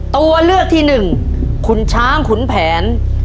ตัวเลือกที่หนึ่งขุนช้างขุนแผน